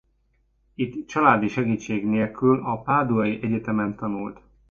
Itt családi segítség nélkül a páduai egyetemen tanult.